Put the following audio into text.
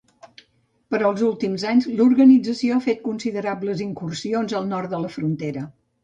Però els últims anys l'organització ha fet considerables incursions al nord de la frontera.